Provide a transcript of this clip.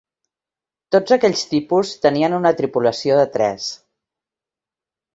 Tots aquells tipus tenien una tripulació de tres.